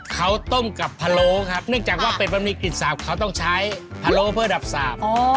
เขาต้มกับพะโล้ครับเนื่องจากว่าเป็ดบะหมี่กลิ่นสาบเขาต้องใช้พะโล้เพื่อดับสาบ